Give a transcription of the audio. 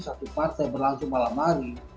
satu partai berlangsung malam hari